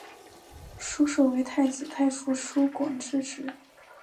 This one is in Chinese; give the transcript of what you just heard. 疏受为太子太傅疏广之侄。